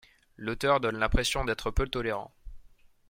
L’auteur donne l’impression d’être peu tolérant.